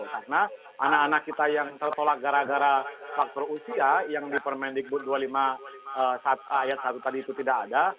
karena anak anak kita yang tertolak gara gara faktor usia yang di permendikbud dua puluh lima ayat satu tadi itu tidak ada